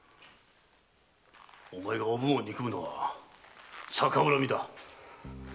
お前がおぶんを憎むのは逆恨みだ。